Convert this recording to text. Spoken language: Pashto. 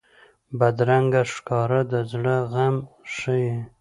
بدرنګه ښکاره د زړه غم ښيي